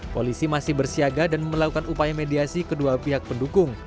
polisi masih bersiaga dan melakukan upaya mediasi kedua pihak pendukung